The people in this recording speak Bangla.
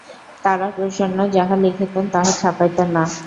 তারাপ্রসন্ন যাহা লিখিতেন তাহা ছাপাইতেন না।